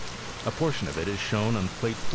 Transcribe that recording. <A portion of it is shown on plate 4.